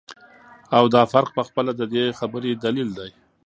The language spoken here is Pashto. او دافرق په خپله ددي خبري دليل دى